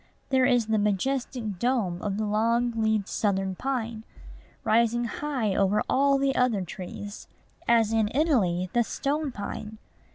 There is the majestic dome of the long leaved Southern pine, rising high over all the other trees, as in Italy the stone pine.